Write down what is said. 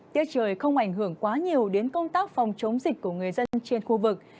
tiết trời không ảnh hưởng quá nhiều đến công tác phòng chống dịch của người dân trên khu vực